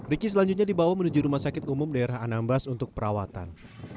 riki selanjutnya dibawa menuju rumah sakit umum daerah anambas untuk perawatan